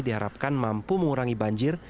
diharapkan mampu mengurangi banjir